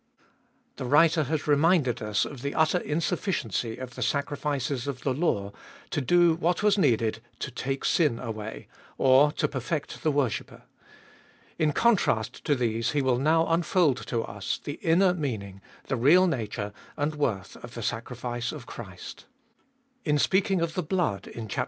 THE writer has reminded us of the utter insufficiency of the sacri fices of the law to do what was needed to take sin away, or to perfect the worshipper. In contrast to these he will now unfold to us the inner meaning, the real nature and worth of the sacri fice of Christ. In speaking of the blood in chap.